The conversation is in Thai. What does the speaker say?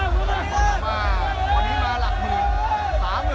ส่วนใหญ่เลยครับ